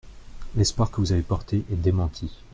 L’espoir que vous avez porté est démenti.